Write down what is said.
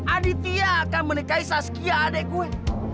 aditya akan menikahi saskia adik gue